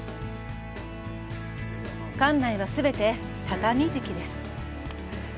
館内は全て畳敷きです。